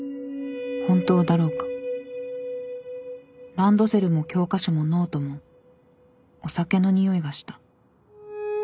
ランドセルも教科書もノートもお酒のにおいがした。